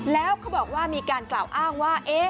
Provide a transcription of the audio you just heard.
แล้วเขาบอกว่ามีการกล่าวอ้างว่า